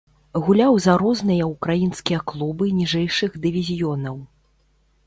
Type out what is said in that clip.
Гуляў за розныя ўкраінскія клубы ніжэйшых дывізіёнаў.